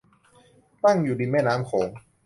ตั้งอยู่ริมแม่น้ำโขง